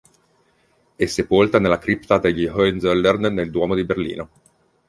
È sepolta nella cripta degli Hohenzollern nel Duomo di Berlino.